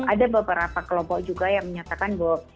ada beberapa kelompok juga yang menyatakan bahwa